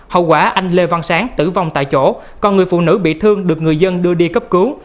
hậu quả anh lê văn sáng tử vong tại chỗ còn người phụ nữ bị thương được người dân đưa đi cấp cứu